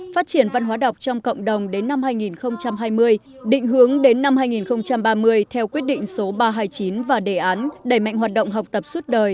phát triển văn hóa đọc trong cộng đồng đến năm hai nghìn hai mươi định hướng đến năm hai nghìn ba mươi theo quyết định số ba trăm hai mươi chín và đề án đẩy mạnh hoạt động học tập suốt đời